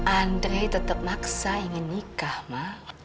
andre tetap maksa ingin nikah ma